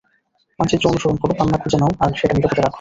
মানচিত্র অনুসরণ কর, পান্না খুঁজে নাও আর সেটা নিরাপদে রাখো।